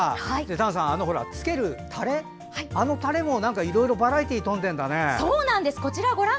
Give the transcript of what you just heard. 丹さん、つけるタレあのタレもいろいろバラエティーにとんでいるんだね。